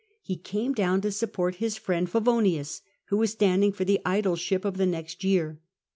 He came down to support his friend Pavonius, who was standing for the aedileship of the next year.